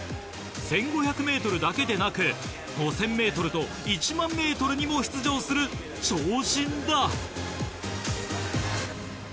１５００ｍだけでなく５０００ｍと１００００ｍにも出場する超人だ。